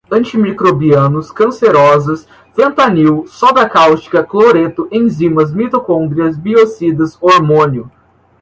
antimicrobianos, cancerosas, fentanil, soda cáustica, cloreto, enzimas, mitocôndrias, biocidas, hormônio